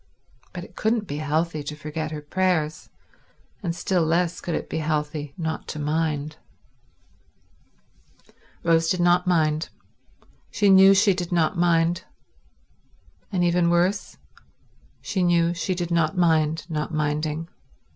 But it couldn't be healthy to forget her prayers, and still less could it be healthy not to mind. Rose did not mind. She knew she did not mind. And, even worse, she knew she did not mind not minding.